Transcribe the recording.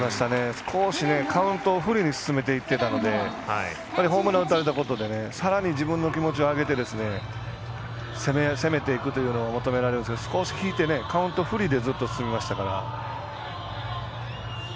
少しカウントを不利に進めていってたのでホームラン打たれたことでさらに自分の気持ちで攻めていくというのが求められるので少し引いてカウント不利で進めましたから。